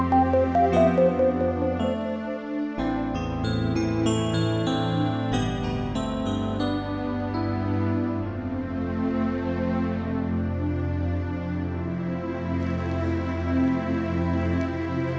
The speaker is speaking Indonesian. kayak gitu kay